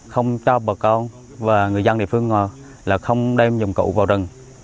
không cho bà con và người dân địa phương không đem dùng cụ vào rừng